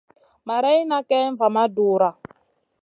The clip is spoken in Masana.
Marayna kayn va ma dura.